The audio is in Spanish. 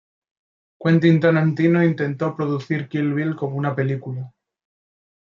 Quentin Tarantino intentó producir "Kill Bill" como una película.